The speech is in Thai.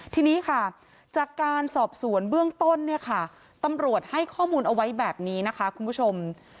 ทีนี้ค่ะจากการสอบสวนเบื้องต้นเนี่ยค่ะตำรวจให้ข้อมูลเอาไว้แบบนี้นะคะคุณผู้ชม